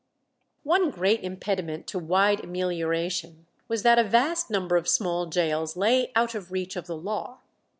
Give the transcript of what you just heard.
One great impediment to wide amelioration was that a vast number of small gaols lay out of reach of the law.